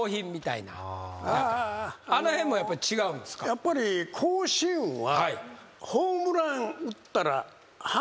やっぱり甲子園は。